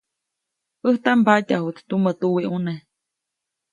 ʼÄjtaʼm mbatyajuʼt tumä tuwiʼuneʼ.